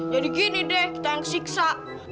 jadi gini deh kita yang kesiksa